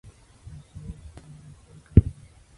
Nació y se crio en Vancouver, Canadá.